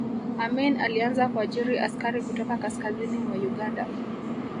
amin alianza kuajiri askari kutoka kaskazini mwa uganda